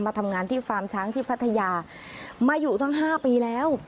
ทำงานที่ฟาร์มช้างที่พัทยามาอยู่ตั้ง๕ปีแล้ว